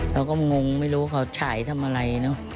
เราก็งงไม่รู้เขาฉายทำอะไรเนอะ